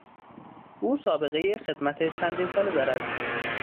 او سابقهی خدمت چندین ساله دارد.